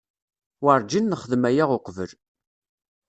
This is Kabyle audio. Werǧin nexdem aya uqbel.